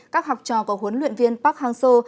các học trò của huấn luyện viên park hang seo